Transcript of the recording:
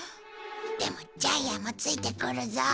でもジャイアンもついてくるぞ。